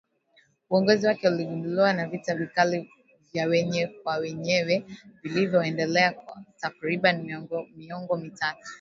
Uongozi wake uligubikwa na vita vikali vya wenyewe kwa wenyewe vilivyoendelea kwa takriban miongo mitatu